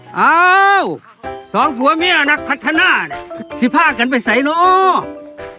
เอ้าสองผัวเมียนักพัฒนาเนี่ยสิภาพกันไปใส่เนอะ